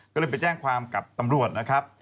ก็เลยไปแจ้งความกับตำรวจนะครับ